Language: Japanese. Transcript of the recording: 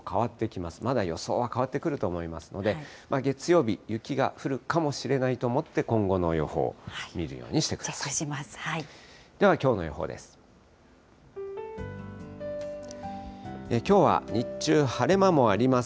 まだ予想は変わってくると思いますので、月曜日、雪が降るかもしれないと思って、今後の予報を見チェックします。